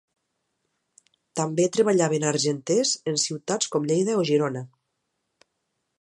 També treballaven argenters en ciutats com Lleida o Girona.